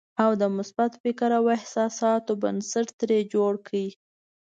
او د مثبت فکر او احساساتو بنسټ ترې جوړ کړئ.